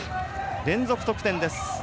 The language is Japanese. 連続得点です。